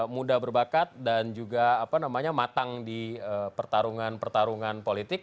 muda berbakat dan juga matang di pertarungan pertarungan politik